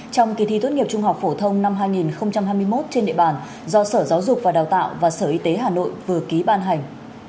trong kỳ thi tốt nghiệp trung học phổ thông năm hai nghìn hai mươi một trên địa bàn do sở giáo dục và đào tạo và sở y tế hà nội vừa ký ban hành